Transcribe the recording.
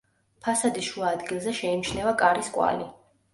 ფასადის შუა ადგილზე შეიმჩნევა კარის კვალი.